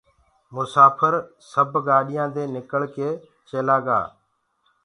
مساڦر سب گآڏيو دي نکݪ ڪي چيلآ گآ